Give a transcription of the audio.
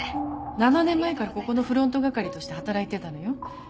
７年前からここのフロント係として働いてたのよ。